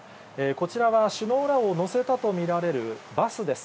こちらは首脳らを乗せたと見られるバスです。